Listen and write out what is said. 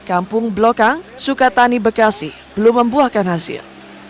kampung blokang sukatani bekasi belum membuahkan hasil